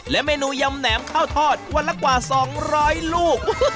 เมนูยำแหนมข้าวทอดวันละกว่า๒๐๐ลูก